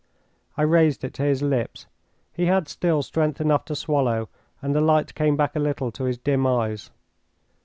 I raised it to his lips. He had still strength enough to swallow, and the light came back a little to his dim eyes.